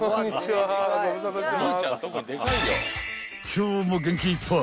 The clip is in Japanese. ［今日も元気いっぱい］